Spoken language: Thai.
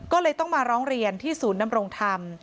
ก็เลยต้องมาร้องเรียนที่ศูนย์นำรงธรรม